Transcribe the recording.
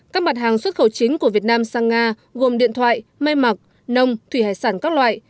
các mặt hàng xuất khẩu chính của việt nam sang nga gồm điện thoại may mặc nông thủy hải sản các loại